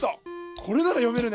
これならよめるね。